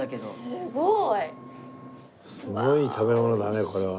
すごい食べ物だねこれは。